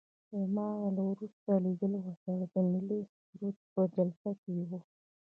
زما وروستی لیدل ورسره د ملي سرود په جلسه کې وو.